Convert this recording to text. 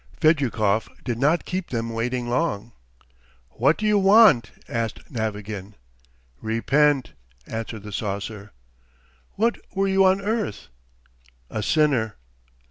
Fedyukov did not keep them waiting long. ... "What do you want?" asked Navagin. "Repent," answered the saucer. "What were you on earth?" "A sinner.